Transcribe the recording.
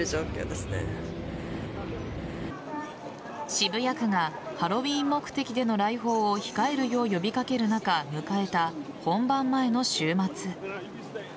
渋谷区がハロウィーン目的での来訪を控えるよう呼び掛ける中迎えた、本番前の週末。